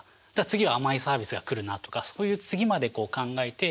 「次は甘いサービスが来るな」とかそういう次までこう考えて。